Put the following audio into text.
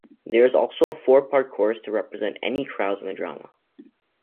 There is also a four-part chorus to represent any crowds in the drama.